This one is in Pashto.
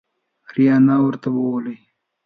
آریانا ورته بولي.